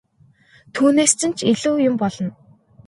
Түүнээс чинь ч илүү юм болно!